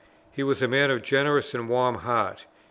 He was a man of generous and warm heart.